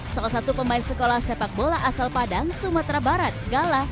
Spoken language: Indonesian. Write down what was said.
salah satu pemain sekolah sepak bola asal padang sumatera barat gala